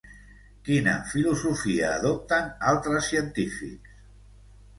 Quina filosofia adopten altres científics?